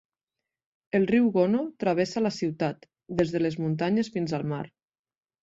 El riu Gono travessa la ciutat, des de les muntanyes fins al mar.